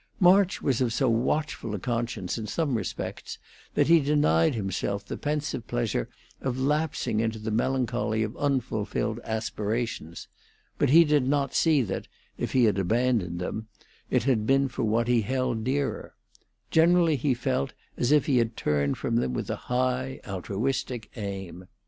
March was of so watchful a conscience in some respects that he denied himself the pensive pleasure of lapsing into the melancholy of unfulfilled aspirations; but he did not see that, if he had abandoned them, it had been for what he held dearer; generally he felt as if he had turned from them with a high, altruistic aim.